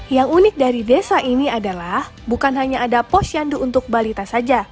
yang unik dari desa ini adalah bukan hanya ada posyandu untuk balita saja